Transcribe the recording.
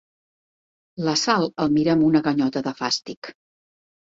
La Sal el mira amb una ganyota de fàstic.